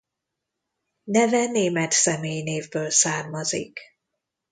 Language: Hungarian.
Neve német személynévből származik.